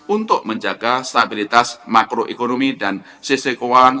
untuk menjaga stabilitas makroekonomi dan sisi keuangan